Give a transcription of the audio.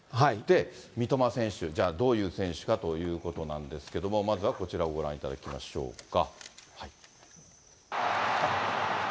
三笘選手、どういう選手かということなんですけれども、まずはこちらをご覧いただきましょうか。